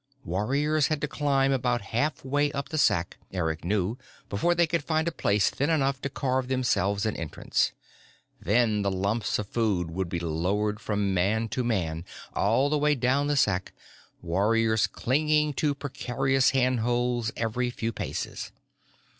Warriors had to climb about halfway up the sack, Eric knew, before they could find a place thin enough to carve themselves an entrance. Then the lumps of food would be lowered from man to man all the way down the sack, warriors clinging to precarious handholds every few paces.